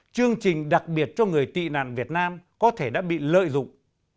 chương trình đặc biệt cho người tị nạn việt nam có thể đã bị lợi dụng